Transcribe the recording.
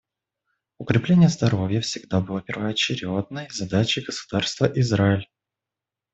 Укрепление здоровья всегда было первоочередной задачей государства Израиль.